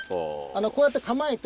こうやって構えて。